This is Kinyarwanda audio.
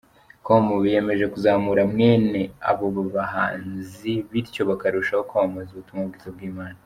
com ko biyemeje kuzamura mwene aba bahanzi bityo bakarushaho kwamamaza ubutumwa bwiza bw’Imana.